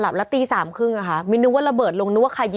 แบบฟ้าสว่างพึบเลยอ่ะ